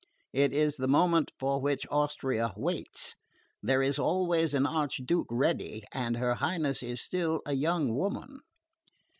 It is the moment for which Austria waits. There is always an Archduke ready and her Highness is still a young woman."